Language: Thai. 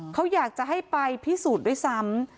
เขาอยากจะให้ไปพิสูจน์ด้วยซ้ำ